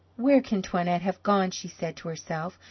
"Where can Toinette have gone?" she said to herself.